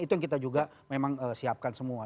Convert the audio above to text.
itu yang kita juga memang siapkan semua